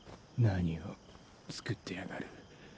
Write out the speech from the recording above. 何を作ってやがる。